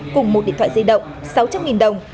cùng một điện thoại di động sáu trăm linh đồng